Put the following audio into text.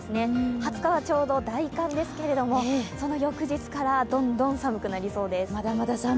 ２０日はちょうど大寒ですけれどもその翌日からまた寒くなりそうです。